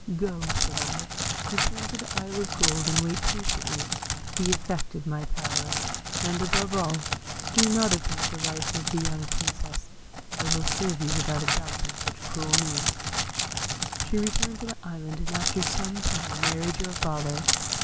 'Go,' said I, 'return to the Island of Gold, and wait patiently the effect of my power, and above all, do not attempt the life of the young Princess; I will serve you without adopting such cruel means.' "She returned to the Island, and after some time, married your father.